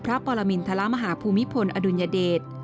พระปอลมินทะละมหาภูมิพลอดุญเดช